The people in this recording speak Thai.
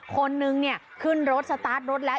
คนนึงเนี่ยขึ้นรถสตาร์ทรถแล้ว